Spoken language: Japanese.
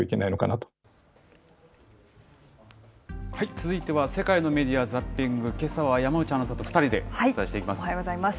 続いては世界のメディア・ザッピング、けさは山内アナウンサーと２人でお伝えしていきます。